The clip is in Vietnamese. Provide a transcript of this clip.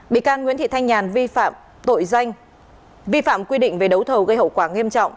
bị can nguyễn thị thanh nhàn vi phạm tội danh vi phạm quy định về đấu thầu gây hậu quả nghiêm trọng